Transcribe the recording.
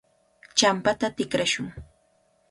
Champata tikrashun.